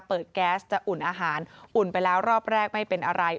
แก๊สจะอุ่นอาหารอุ่นไปแล้วรอบแรกไม่เป็นอะไร